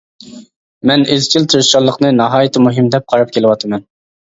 مەن ئىزچىل تىرىشچانلىقنى ناھايىتى مۇھىم دەپ قاراپ كېلىۋاتىمەن.